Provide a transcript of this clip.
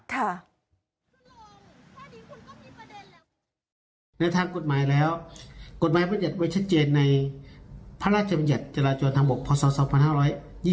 ในทางกฎหมายแล้วกฎหมายมันยัดไว้ชัดเจนใน